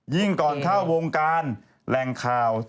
ยิ่งก่อนเข้าวงการแรงข่าว